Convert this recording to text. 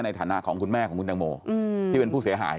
ในฐานะของคุณแม่ของคุณตังโมที่เป็นผู้เสียหาย